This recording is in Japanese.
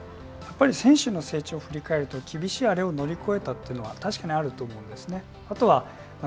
やっぱり選手の成長を振り返ると厳しいのを乗り越えたというのはあると思うんですね。